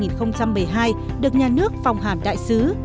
năm hai nghìn một mươi hai được nhà nước phong hàm đại sứ